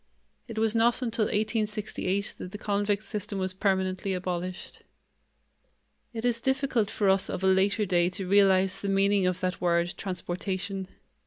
It was not until 1868 that the convict system was permanently abolished. It is difficult for us of a later day to realize the meaning of that word, transportation.